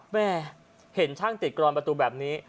แม่เห็นช่างติดกรอนประตูแบบนี้